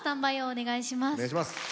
お願いします。